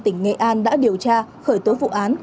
tỉnh nghệ an đã điều tra khởi tố vụ án